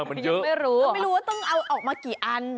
ไม่รู้ไม่รู้ว่าต้องเอาออกมากี่อัน